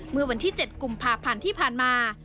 เมื่อวันที่๗กุมภาพันธ์ที่ผ่านมา